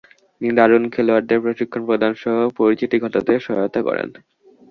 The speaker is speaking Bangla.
তিনি তরুণ খেলোয়াড়দের প্রশিক্ষণ প্রদানসহ পরিচিতি ঘটাতে সহায়তা করেন।